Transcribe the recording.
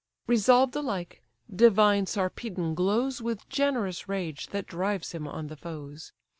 Resolved alike, divine Sarpedon glows With generous rage that drives him on the foes.